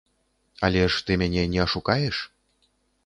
Але ж ты мяне не ашукаеш?